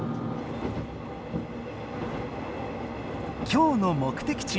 今日の目的地